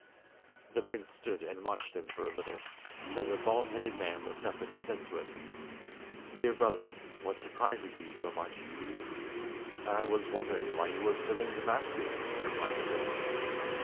The prince stood and watched him for a little, till the bald headed man looked up and said to him: "Dear brother, what surprises you so much?" "I was wondering why you were filling the basket," replied the prince.